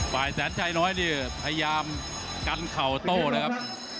ปลายแสนชัยน้อยนี่พยายามกันเข่าโต้นะครับ